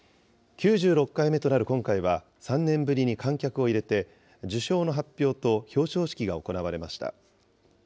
９６回目となる今回は３年ぶりに観客を入れて、受賞の発表と表彰式が行われました。